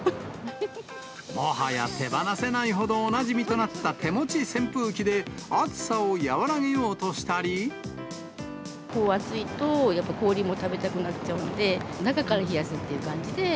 もはや、手放せないほどおなじみとなった手持ち扇風機で暑さを和らげようこう暑いと、やっぱり氷も食べたくなっちゃうので、中から冷やすっていう感じで。